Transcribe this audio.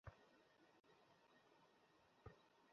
এক বার এ-মাথায় যাচ্ছে, আরেক বার ও-মাথায়।